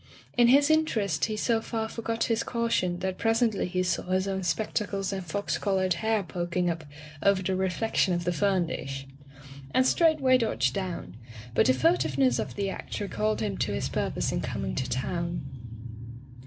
In his interest he so far forgot his caution that presently he saw his own spectacles and fox colored hair pok ing up over the reflection of the fern dish, and straightway dodged down, but the fur tiveness of the act recalled him to his purpose in coming to town.